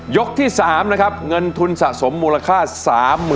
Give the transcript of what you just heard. ยกที่สามนะคะเงินทุนสะสมมูลค่า๓๐๐๐๐บาท